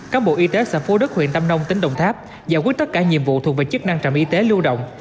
các bộ y tế xã phú đức huyện tâm nông tỉnh đồng tháp giải quyết tất cả nhiệm vụ thuộc về chức năng trạm y tế lưu động